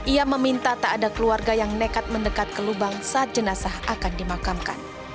ia meminta tak ada keluarga yang nekat mendekat ke lubang saat jenazah akan dimakamkan